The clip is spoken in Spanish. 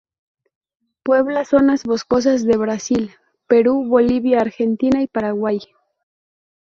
Puebla zonas boscosas de Brasil, Perú, Bolivia, Argentina y Paraguay.